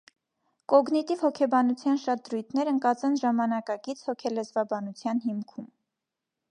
Կոգնիտիվ հոգեբանության շատ դրույթներ ընկած են ժամանակակից հոգելեզվաբանության հիմքում։